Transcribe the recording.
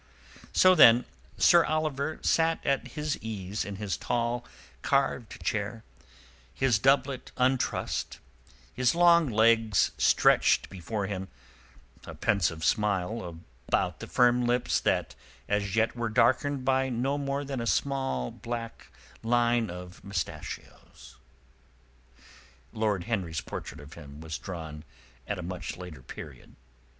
So, then, Sir Oliver sat at his ease in his tall, carved chair, his doublet untrussed, his long legs stretched before him, a pensive smile about the firm lips that as yet were darkened by no more than a small black line of moustachios. (Lord Henry's portrait of him was drawn at a much later period.)